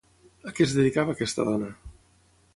A què es dedicava aquesta dona?